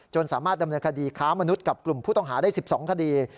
สามารถดำเนินคดีค้ามนุษย์กับกลุ่มผู้ต้องหาได้๑๒คดี